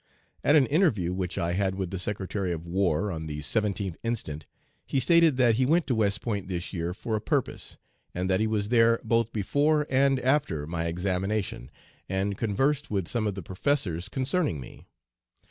At an interview which I had with the Secretary of War, on the 17th instant, he stated that he went to West Point this year for a purpose, and that he was there both before and after my examination, and conversed with some of the professors concerning me.